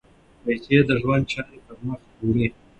پیسې د ژوند چارې پر مخ وړي.